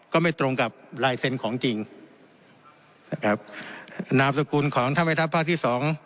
ก็ไม่ตรงกับลายเซ็นต์ของจริงนะครับนามสกุลของท่านแม่ทัพภาคที่สอง